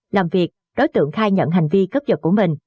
làm việc đối tượng khai nhận hành vi cướp dật của mình